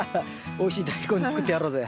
おいしいダイコン作ってやろうぜ。